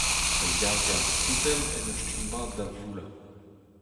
Pellgargañ ar skritell en ur stumm mat da voullañ.